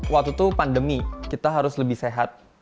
waktu itu pandemi kita harus lebih sehat